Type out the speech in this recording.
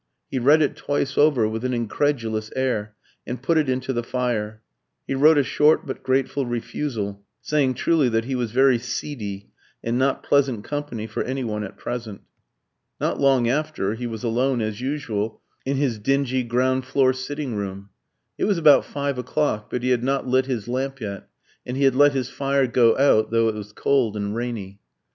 He read it twice over with an incredulous air, and put it into the fire. He wrote a short but grateful refusal, saying truly that he was very seedy, and not pleasant company for any one at present. Not long after, he was alone, as usual, in his dingy ground floor sitting room. It was about five o'clock; but he had not lit his lamp yet, and he had let his fire go out, though it was cold and rainy.